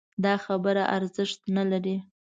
دا خبره ارزښت نه لري